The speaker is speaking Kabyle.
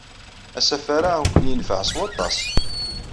Asafar-a ad ken-yenfeɛ s waṭas.